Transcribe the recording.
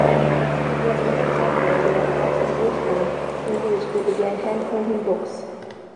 It was named after their house in Richmond, in which they began hand-printing books.